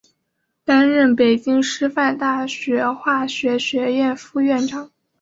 担任北京师范大学化学学院副院长。